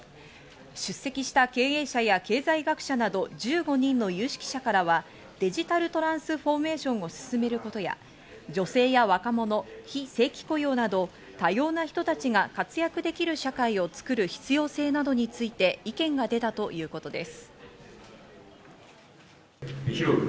出席した経営者や経済学者など１５人の有識者からは、デジタルトランスフォーメーションを進めることや、女性や若者、非正規雇用など、多様な人たちが活躍できる社会をつくる必要性などについて意見が出たということです。